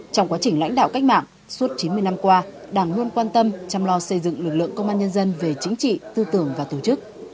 trong quá trình lãnh đạo cách mạng suốt chín mươi năm qua đảng luôn quan tâm chăm lo xây dựng lực lượng công an nhân dân về chính trị tư tưởng và tổ chức